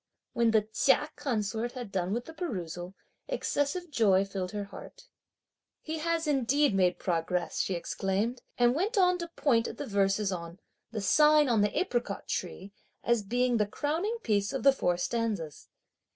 When the Chia consort had done with the perusal, excessive joy filled her heart. "He has indeed made progress!" she exclaimed, and went on to point at the verses on "the sign on the apricot tree," as being the crowning piece of the four stanzas.